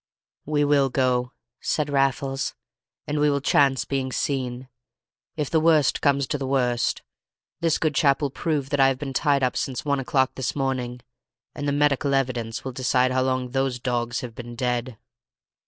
"We will go," said Raffles, "and we will chance being seen; if the worst comes to the worst this good chap will prove that I have been tied up since one o'clock this morning, and the medical evidence will decide how long those dogs have been dead."